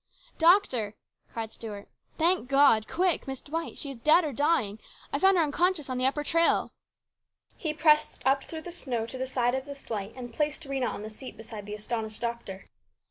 " Doctor !" cried Stuart. " Thank God ! Quick ! Miss Dwight ! She is dead or dying ! I found her unconscious on the upper trail !" He pressed through the snow up to the side of the sleigh, and placed Rhena on the seat beside the astonished doctor.